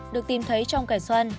được tìm thấy trong cải xoăn